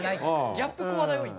ギャップこわだよ今。